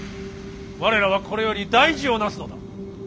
我らはこれより大事をなすのだ。